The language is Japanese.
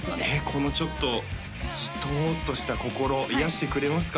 このちょっとジトーッとした心癒やしてくれますか？